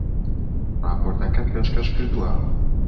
ڕاپۆرتەکەت پێشکەش کردووە؟